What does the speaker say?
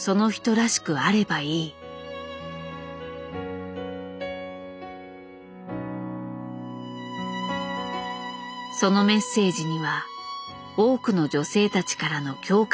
そのメッセージには多くの女性たちからの共感の声が集まった。